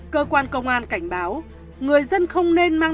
cơ quan công an cảnh báo người dân không nên mang